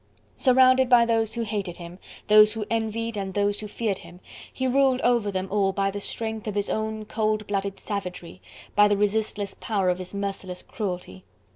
Surrounded by those who hated him, those who envied and those who feared him, he ruled over them all by the strength of his own cold blooded savagery, by the resistless power of his merciless cruelty.